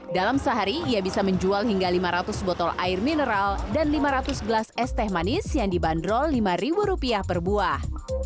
dalam sehari ia bisa menjual hingga lima ratus botol air mineral dan lima ratus gelas es teh manis yang dibanderol lima rupiah per buah